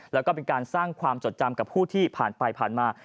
แล้วก็เป็นการสร้างความจดจำกับผู้ที่ผ่านไปผ่านมา